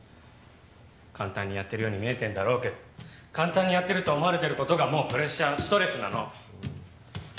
簡単にやっているように見えてんだろうけど簡単に見えるそう思われていることがもうプレッシャーストレスなの。